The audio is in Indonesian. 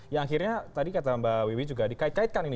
yang akhirnya tadi kata mbak wiwi juga dikait kaitkan ini